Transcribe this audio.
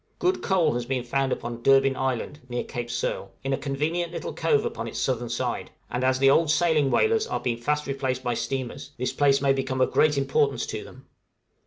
Good coal has been found upon Durbin Island (near Cape Searle), in a convenient little cove upon its southern side; and as the old sailing whalers are fast being replaced by steamers, this place may become of great importance to them.